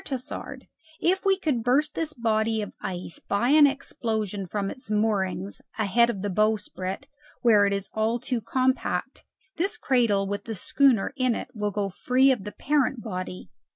Tassard, if we could burst this body of ice by an explosion from its moorings ahead of the bowsprit, where it is all too compact, this cradle with the schooner in it will go free of the parent body."